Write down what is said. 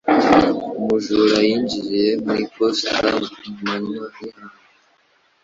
Umujura yinjiye mu iposita ku manywa y'ihangu